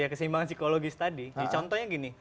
keseimbangan psikologis tadi contohnya gini